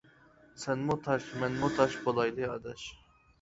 سەنمۇ تاش، مەنمۇ تاش، بولايلى ئاداش!